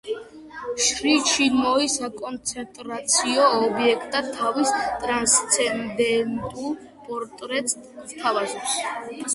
შრი ჩინმოი საკონცენტრაციო ობიექტად თავის „ტრანსცენდენტულ პორტრეტს“ გვთავაზობს.